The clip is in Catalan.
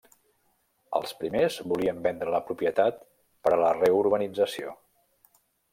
Els primers volien vendre la propietat per a la reurbanització.